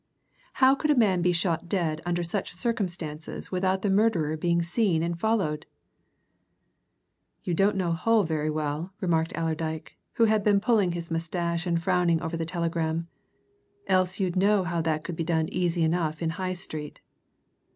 How could a man be shot dead under such circumstances without the murderer being seen and followed?" "You don't know Hull very well," remarked Allerdyke, who had been pulling his moustache and frowning over the telegram, "else you'd know how that could be done easy enough in High Street.